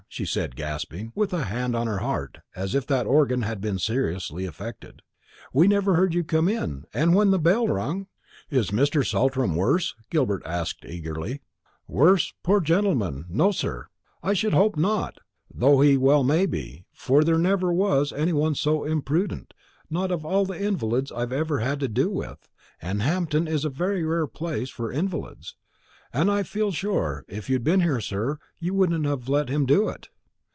she said, gasping, with her hand on her heart, as if that organ had been seriously affected. "We never heard you come in, and when the bell rung " "Is Mr. Saltram worse?" Gilbert asked, eagerly. "Worse, poor dear gentleman; no, sir, I should hope not, though he well may be, for there never was any one so imprudent, not of all the invalids I've ever had to do with and Hampton is a rare place for invalids. And I feel sure if you'd been here, sir, you wouldn't have let him do it."